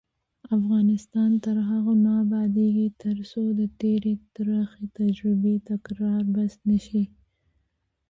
افغانستان تر هغو نه ابادیږي، ترڅو د تېرې تروخې تجربې تکرار بس نه شي.